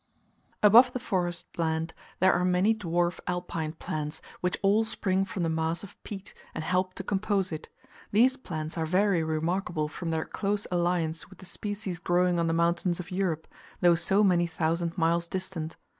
Above the forest land, there are many dwarf alpine plants, which all spring from the mass of peat, and help to compose it: these plants are very remarkable from their close alliance with the species growing on the mountains of Europe, though so many thousand miles distant.